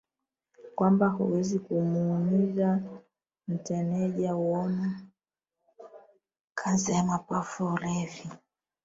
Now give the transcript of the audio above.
kwamba hawawezi kuumizwa Matineja huona kansa ya mapafu ulevi